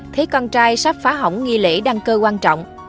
thấy con trai sắp phá hỏng nghi lễ đăng cơ quan trọng